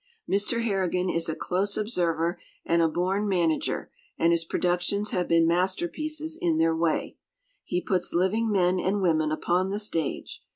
Mr. Harrigan is a close observer and a born manager, and his productions have been masterpieces in their way. He puts living men and women upon the stage.